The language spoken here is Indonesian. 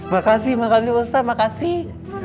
makasih makasih pak ustadz makasih